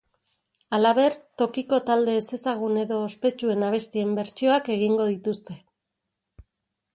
Halaber, tokiko talde ezezagun edo ospetsuen abestien bertsioak egingo dituzte.